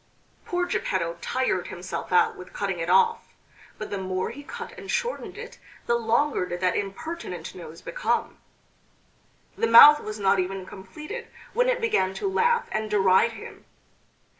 Poor Geppetto tired himself out with cutting it off. But the more he cut and shortened it, the longer did that impertinent nose become! The mouth was not even completed when it began to laugh and deride him.